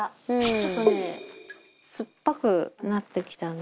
ちょっとね酸っぱくなってきたので。